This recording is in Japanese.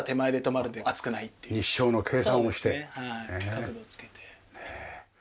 角度をつけて。